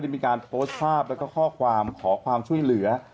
มีการโพสต์ภาพแล้วก็ข้อความขอความช่วยเหลือ